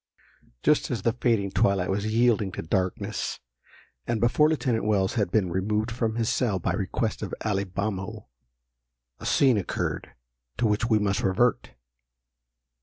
_ JUST as the fading twilight was yielding to darkness, and before Lieutenant Wells had been removed from his cell by request of Alibamo, a scene occurred to which we must revert.